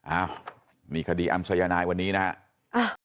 เอ้ามีคดีอำสัยนายวันนี้นะฮะ